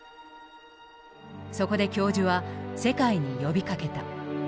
そこで教授は世界に呼びかけた。